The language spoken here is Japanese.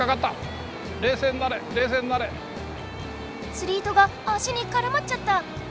つり糸が足にからまっちゃった！